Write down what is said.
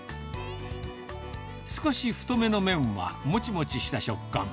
少し太めの麺はもちもちした食感。